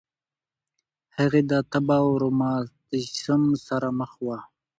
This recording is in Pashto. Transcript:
هغې د تبه او روماتیسم سره مخ وه.